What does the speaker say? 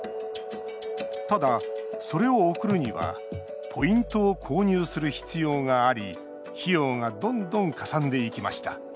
ただ、それを送るにはポイントを購入する必要があり費用がどんどんかさんでいきました。